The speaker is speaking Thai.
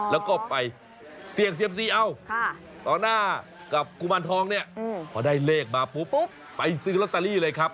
แล้วก็ไปเสี่ยงเซียมซีเอาต่อหน้ากับกุมารทองเนี่ยพอได้เลขมาปุ๊บไปซื้อลอตเตอรี่เลยครับ